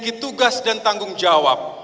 bagi tugas dan tanggung jawab